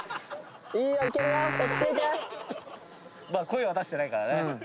声は出してないからね。